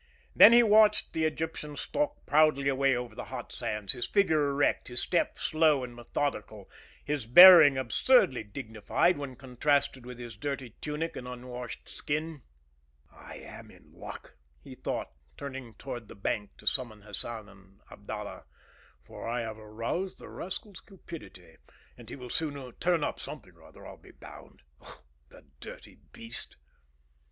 Then he watched the Egyptian stalk proudly away over the hot sands, his figure erect, his step slow and methodical, his bearing absurdly dignified when contrasted with his dirty tunic and unwashed skin. "I am in luck," he thought, turning toward the bank to summon Hassan and Abdallah; "for I have aroused the rascal's cupidity, and he will soon turn up something or other, I'll be bound. Ugh! the dirty beast."